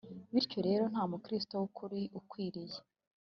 bityo rero nta mukristo w ukuri ukwiriye